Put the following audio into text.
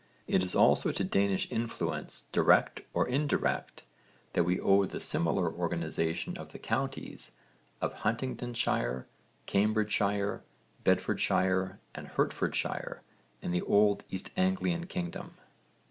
It is also to Danish influence direct or indirect that we owe the similar organisation of the counties of Huntingdonshire, Cambridgeshire, Bedfordshire and Hertfordshire in the old East Anglian kingdom.